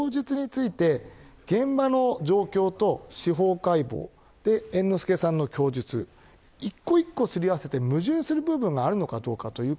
現場の状況と司法解剖猿之助さんの供述一つ一つ、すり合わせて矛盾する部分があるかどうか。